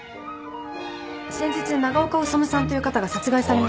先日長岡修さんという方が殺害され。